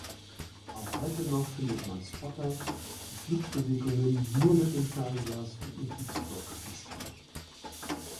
Auch heute noch findet man Spotter, die Flugbewegungen nur mit Fernglas und Notizblock festhalten.